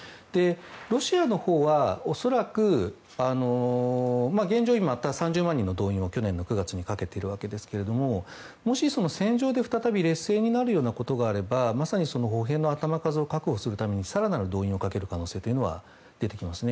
ロシアのほうは現状、３０万人の動員を去年の９月にかけているわけですがもし、戦場で再び劣勢になるようなことがあればまさに歩兵の頭数を確保するために更なる動員をかける可能性というのは出てきますね。